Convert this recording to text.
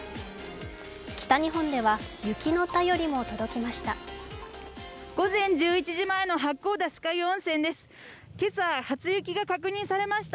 北日本では雪の便りも届きました。